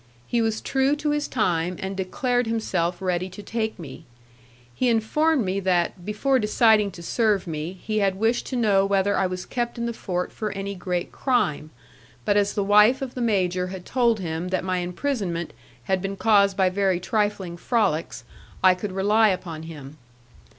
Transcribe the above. He was true to his time, and declared himself ready to take me. He informed me that, before deciding to serve me, he had wished to know whether I was kept in the fort for any great crime, but as the wife of the major had told him that my imprisonment had been caused by very trifling frolics, I could rely upon him.